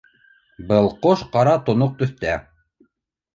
Был ҡош ҡара-тоноҡ төҫтә.